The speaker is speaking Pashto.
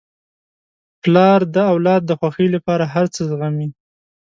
پلار د اولاد د خوښۍ لپاره هر څه زغمي.